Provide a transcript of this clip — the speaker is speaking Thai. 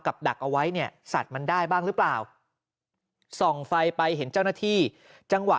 ดักเอาไว้เนี่ยสัตว์มันได้บ้างหรือเปล่าส่องไฟไปเห็นเจ้าหน้าที่จังหวะ